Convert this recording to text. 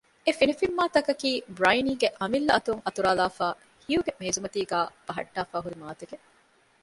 އެ ފިނިފެންމާތަކަކީ ބްރައިނީގެ އަމިއްލަ އަތުން އަތުރައިލައިފައި ހިޔުގެ މޭޒުމަތީގައި ބަހައްޓައިފައި ހުރި މާތަކެއް